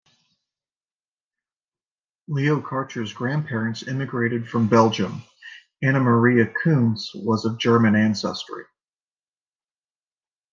Leo Karcher's grandparents immigrated from Belgium; Anna Maria Kuntz was of German ancestry.